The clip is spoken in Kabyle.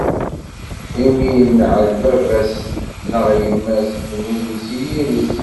Imi i yenɛel baba-s neɣ yemma-s, ddnub-is i yiri-s.